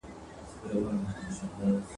د ژوند تڼاکي سولوم په سرابي مزلونو ..